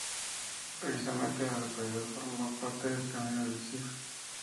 Precisamente, la localidad forma parte del Camino del Cid.